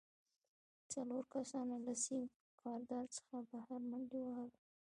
څلورو کسانو له سیم خاردار څخه بهر منډې وهلې